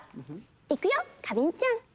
いくよ花びんちゃん！